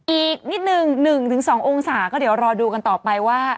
อีกนิดนึง๑๒องศาก็เดี๋ยวรอดูกันต่อไปว่า